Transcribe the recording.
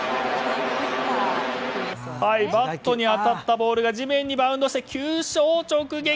バットに当たったボールが地面にバウンドして急所を直撃。